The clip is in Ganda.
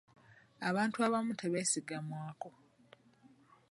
Abantu abamu tebeesigamwako.